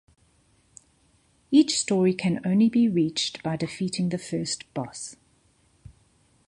Each story can only be reached by defeating the first boss.